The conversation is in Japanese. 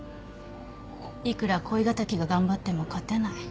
いくら恋敵が頑張っても勝てない。